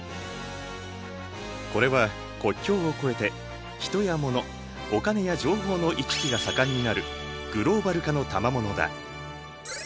これは国境を越えて人や物お金や情報の行き来が盛んになるグローバル化のたまものだ。